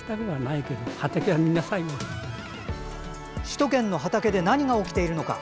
首都圏の畑で何が起きているのか。